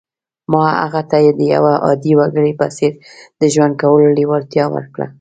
ما هغه ته د یوه عادي وګړي په څېر د ژوند کولو لېوالتیا ورکړه